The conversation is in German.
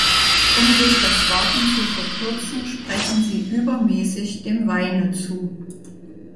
Um sich das Warten zu verkürzen, sprechen sie übermäßig dem Weine zu.